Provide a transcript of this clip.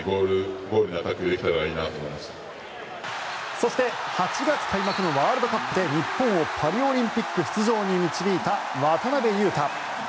そして、８月開幕のワールドカップで日本をパリオリンピック出場に導いた渡邊雄太。